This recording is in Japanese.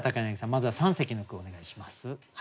まずは三席の句をお願いします。